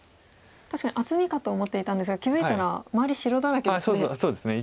確かに厚みかと思っていたんですが気付いたら周り白だらけですね。